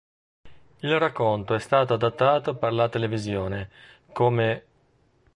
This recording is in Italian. Il racconto è stato adattato per la televisione, come